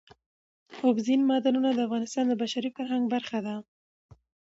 اوبزین معدنونه د افغانستان د بشري فرهنګ برخه ده.